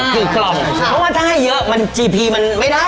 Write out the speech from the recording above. เพราะว่าถ้าให้เยอะจะไม่ได้